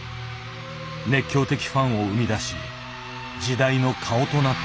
熱狂的ファンを生み出し時代の顔となった。